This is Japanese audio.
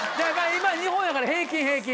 今２本やから平均平均